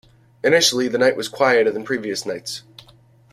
Initially, the night was quieter than previous nights.